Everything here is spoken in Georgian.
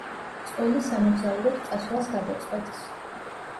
წყვილი სამოგზაუროდ წასვლას გადაწყვეტს.